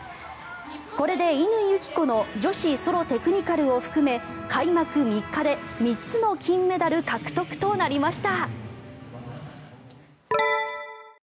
これで乾友紀子の女子ソロ・テクニカルを含め開幕３日で３つの金メダル獲得となりました。